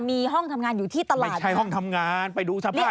ไม่ใช่ห้องทำงานไปดูสภาพอย่างนั้น